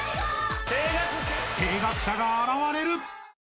［停学者が現れる］